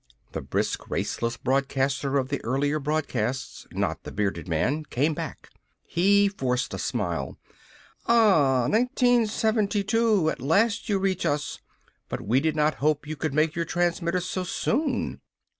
The brisk, raceless broadcaster of the earlier broadcast not the bearded man came back. He forced a smile: "_Ah! 1972! At last you reach us! But we did not hope you could make your transmitters so soon!